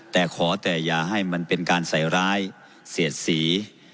แต่ขอแต่อย่าให้มันเป็นการใส่ร้ายเสียดสี